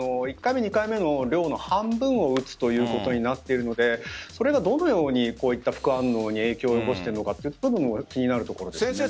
１回目、２回目の量の半分を打つということになっているのでそれがどのように副反応に影響を及ぼしているのかという部分も気になるところです。